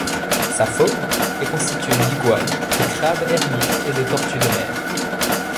Sa faune est constituée d'iguanes, de crabes ermites, et de tortues de mer.